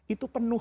itu penuh loh